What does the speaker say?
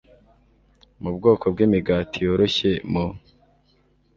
mu bwoko bw’imigati yoroshye mu